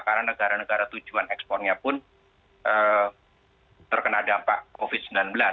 karena negara negara tujuan ekspornya pun terkena dampak covid sembilan belas